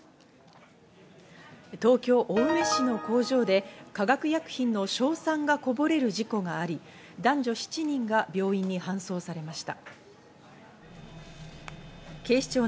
東京・青梅市の工場で化学薬品の硝酸がこぼれる事故があり、男女７人が病院に搬送されました。